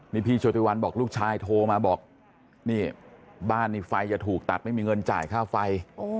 นี่พี่โชติวันบอกลูกชายโทรมาบอกนี่บ้านนี่ไฟจะถูกตัดไม่มีเงินจ่ายค่าไฟ